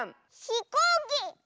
ひこうき。